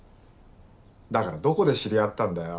だからどこで知り合ったんだよ？